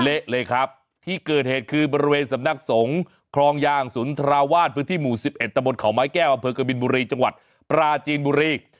เละเลยครับที่เกิดเหตุคือบริเวณสำนักสงฆ์คลองยางสุนทราวาสพื้นที่หมู่๑๑ตะบนเขาไม้แก้วอำเภอกบินบุรีจังหวัดปราจีนบุรี